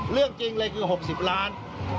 เรื่องจริงเลยคือ๖๐ล้าน